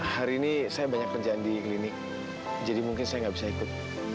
hari ini saya banyak kerjaan di klinik jadi mungkin saya nggak bisa ikut